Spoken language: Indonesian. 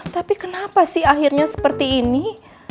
tapi kenapa sih akhirnya seperti ini